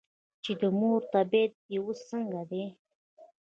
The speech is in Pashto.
چې " د مور طبیعیت دې اوس څنګه دے ؟" ـ